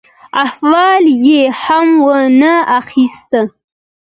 احوال یې هم وا نه خیست.